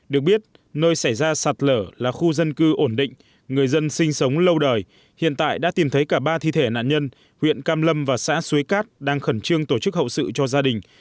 được biết nơi xảy ra sạt lở là khu dân cư ổn định người dân sinh sống lâu đời hiện tại đã tìm thấy cả ba thi thể nạn nhân huyện cam lâm và xã xuế cát đang khẩn trương tổ chức hậu sự cho gia đình